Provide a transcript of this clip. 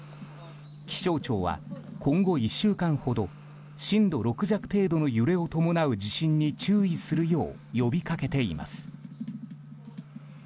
気象庁は今後１週間ほど震度６弱程度の揺れを伴う地震に注意するよう呼びかけています。